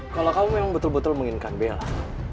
kalo kamu yang betul betul menginginkan bella